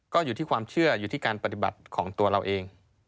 ก็อยู่ที่ความเชื่ออยู่ที่การปฏิบัติของตัวเราเอง